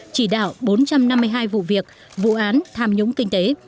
chỉ đạo bốn trăm năm mươi hai vụ việc vụ án tham nhũng kinh tế